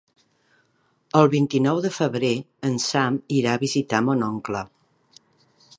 El vint-i-nou de febrer en Sam irà a visitar mon oncle.